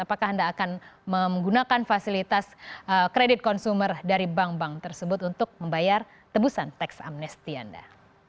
apakah anda akan menggunakan fasilitas kredit konsumer dari bank bank tersebut untuk membayar tebusan tax amnesty anda